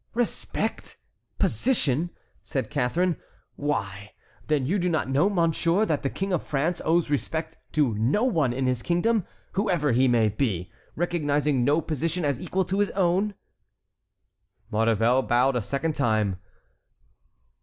"Respect! position!" said Catharine, "why, then, you do not know, monsieur, that the King of France owes respect to no one in his kingdom, whoever he may be, recognizing no position as equal to his own?" Maurevel bowed a second time.